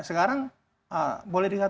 sekarang boleh dikatakan